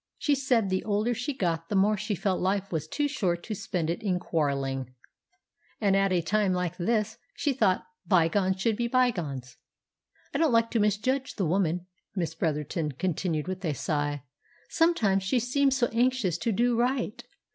She said the older she got the more she felt life was too short to spend it in quarrelling, and at a time like this she thought bygones should be bygones. I don't like to misjudge the woman," Miss Bretherton continued with a sigh. "Sometimes she seems so anxious to do right.